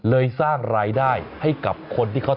สร้างรายได้ให้กับคนที่เขา